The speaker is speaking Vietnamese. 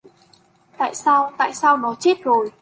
Tại sao tại sao nó chết rồi